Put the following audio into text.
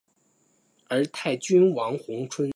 而泰郡王弘春一支则住在西直门内扒儿胡同。